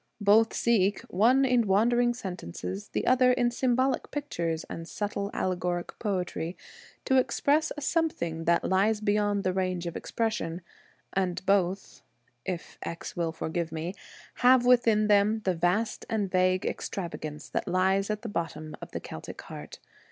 Both seek — one in wandering sentences, the other in symbolic pictures and subtle allegoric poetry — to express a something that lies beyond the range of expression ; and both, if X will forgive me, have within them the vast and vague extravagance that lies at the bottom of the Celtic heart.